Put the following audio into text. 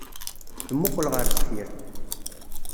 Temmuqqel ɣer deffir.